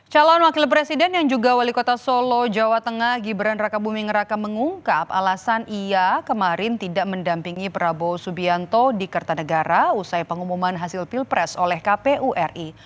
calon wakil presiden yang juga wali kota solo jawa tengah gibran raka buming raka mengungkap alasan ia kemarin tidak mendampingi prabowo subianto di kertanegara usai pengumuman hasil pilpres oleh kpu ri